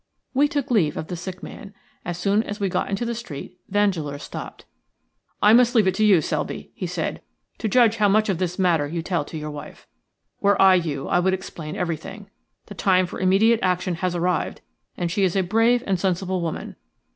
We took leave of the sick man. As soon as we got into the street Vandeleur stopped. "I must leave it to you, Selby," he said, "to judge how much of this matter you tell to your wife. Were I you I would explain everything. The time for immediate action has arrived, and she is a brave and sensible woman.